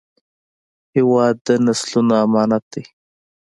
هېواد د نسلونو امانت دی.